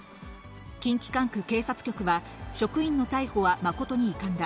近畿管区警察局は、職員の逮捕は誠に遺憾だ。